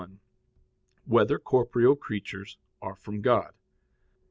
1] Whether Corporeal Creatures Are from God?